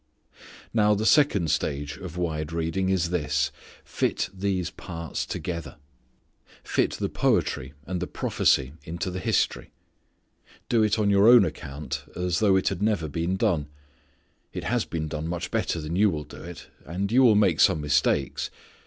Now the second stage of wide reading is this: fit these parts together. Fit the poetry and the prophecy into the history. Do it on your own account, as though it had never been done. It has been done much better than you will do it. And you will make some mistakes.